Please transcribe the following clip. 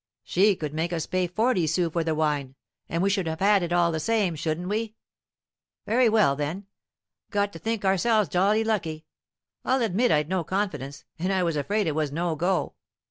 She could make us pay forty sous for the wine, and we should have had it all the same, shouldn't we? Very well, then, got to think ourselves jolly lucky. I'll admit I'd no confidence, and I was afraid it was no go."